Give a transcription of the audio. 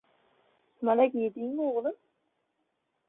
— Sumalak yedingmi, o‘g‘lim?